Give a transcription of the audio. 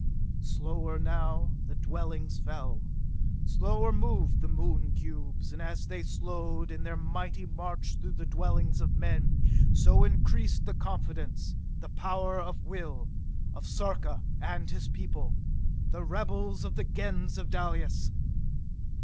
Slower now the dwellings fell, slower moved the Moon cubes; and as they slowed in their mighty march through the dwellings of men, so increased the confidence, the power of will, of Sarka and his people the rebels of the Gens of Dalis.